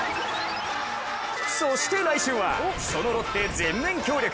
そして来週はそのロッテ全面協力。